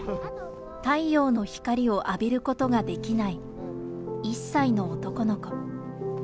太陽の光を浴びることができない１歳の男の子。